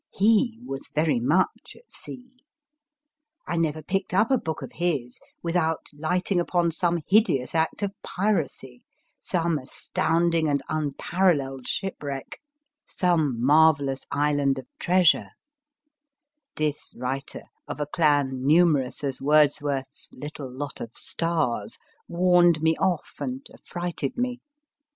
He was very much at sea. I never picked up a book of his without lighting upon some hideous act of piracy, some astounding and unparalleled shipwreck, some marvellous NEAT BY The great mass of readers MY FIRST BOOK island of treasure. This writer, of a clan numerous as Wordsworth s * little lot of stars, warned me off and affrighted me.